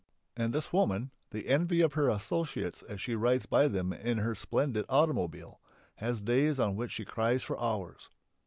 And this woman, the envy of her associates as she rides by them in her splendid automobile, has days on which she cries for hours.